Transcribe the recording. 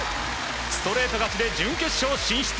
ストレート勝ちで準決勝進出。